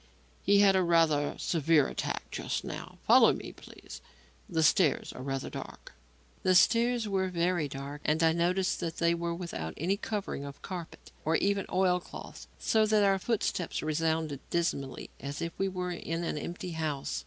He had a rather severe attack just now. Follow me, please. The stairs are rather dark." The stairs were very dark, and I noticed that they were without any covering of carpet, or even oil cloth, so that our footsteps resounded dismally as if we were in an empty house.